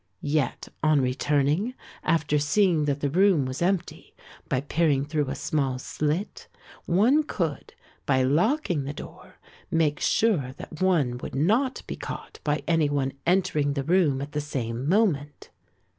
Yet on returning, after seeing that the room was empty, by peering through a small slit, one could, by locking the door, make sure that one would not be caught by any one entering the room at the same moment.